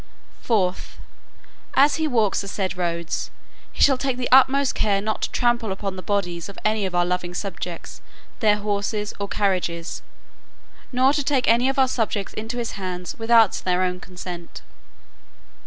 "4th, As he walks the said roads, he shall take the utmost care not to trample upon the bodies of any of our loving subjects, their horses, or carriages, nor take any of our subjects into his hands without their own consent.